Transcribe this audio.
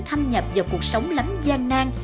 tham nhập vào cuộc sống lắm gian nan